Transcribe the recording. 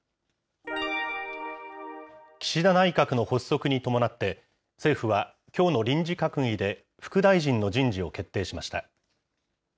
岸田内閣の発足に伴って、政府はきょうの臨時閣議で、副大臣の人事を決定しました。